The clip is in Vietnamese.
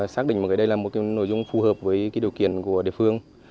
xác định đây là một nội dung phù hợp với điều kiện của địa phương